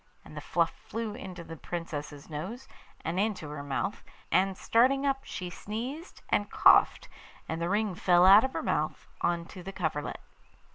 And the fluff flew into the Princess's nose, and into her mouth, and starting up she sneezed and coughed, and the ring fell out of her mouth on to the coverlet.